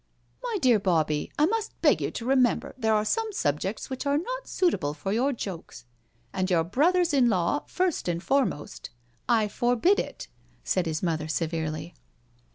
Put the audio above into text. " My dear Bobbie, I must beg you to remember there are some subjects which are not suitable foe BRACKENHILL HALL 29 your jokes — your brothers in law first and foremost. I forbid it/* said his mother severely.